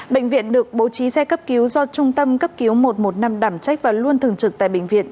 bệnh viện được bố trí xe cấp cứu do trung tâm cấp cứu một trăm một mươi năm đảm trách và luôn thường trực tại bệnh viện